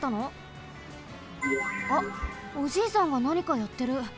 あっおじいさんがなにかやってる。